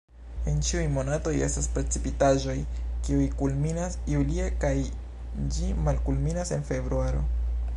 En ĉiuj monatoj estas precipitaĵoj, kiu kulminas julie kaj ĝi malkulminas en februaro.